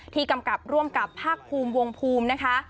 กำกับร่วมกับภาคภูมิวงภูมินะคะ